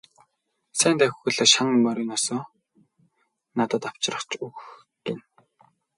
Сайн давхивал шан мөрийнөөсөө надад авчирч өгөх гэнэ.